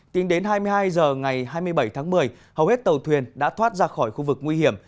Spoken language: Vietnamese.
tính đến hai mươi hai h ngày hai mươi bảy tháng một mươi hầu hết tàu thuyền đã thoát ra khỏi khu vực nguy hiểm